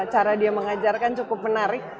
cara dia mengajarkan cukup menarik